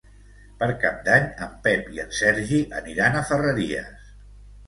Per Cap d'Any en Pep i en Sergi aniran a Ferreries.